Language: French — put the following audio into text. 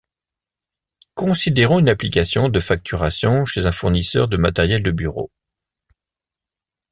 Considérons une application de facturation chez un fournisseur de matériel de bureau.